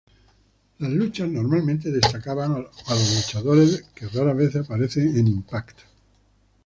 Las luchas normalmente destacan a los luchadores que raras veces aparecen en ""Impact!""!.